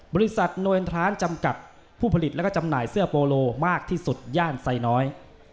บริษัทโนเวนทรานจำกัดผู้ผลิตแล้วก็จำหน่ายเสื้อโปโลมากที่สุดย่านไซน้อย